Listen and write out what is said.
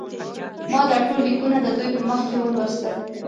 ما دا ټول لیکونه د دوی په مخ کې ولوستل.